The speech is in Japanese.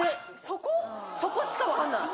そこしか分かんないの⁉